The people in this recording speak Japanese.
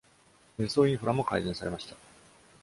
輸送インフラも改善されました。